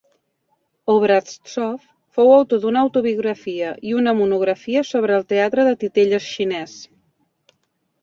Obraztsov fou autor d'una autobiografia i una monografia sobre el teatre de titelles xinès.